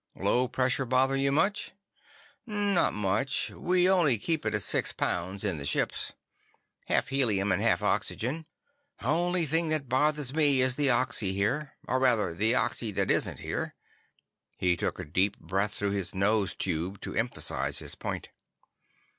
"Low pressure bother you much?" "Not much. We only keep it at six pounds in the ships. Half helium and half oxygen. Only thing that bothers me is the oxy here. Or rather, the oxy that isn't here." He took a deep breath through his nose tube to emphasize his point.